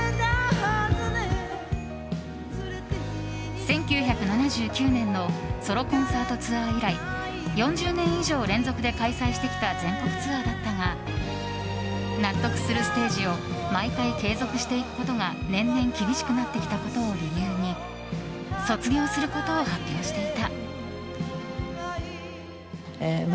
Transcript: １９７９年のソロコンサートツアー以来４０年以上連続で開催してきた全国ツアーだったが納得するステージを毎回継続していくことが年々厳しくなってきたことを理由に卒業することを発表していた。